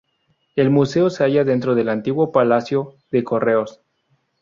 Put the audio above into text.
El museo se halla dentro del antiguo Palacio de Correos.